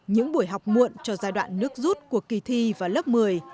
những buổi học muộn cho giai đoạn nước rút của kỳ thi vào lớp một mươi